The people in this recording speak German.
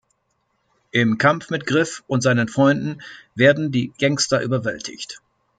Im Kampf mit Griff und seinen Freunden werden die Gangster überwältigt.